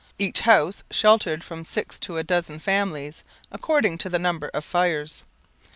Each house sheltered from six to a dozen families, according to the number of fires.